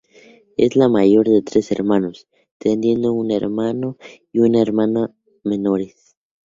Es la mayor de tres hermanos, teniendo un hermano y una hermana menores.